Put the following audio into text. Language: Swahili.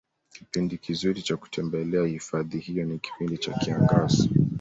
kipindi kizuri Cha kutembelea hifadhi hiyo ni kipindi cha kiangazi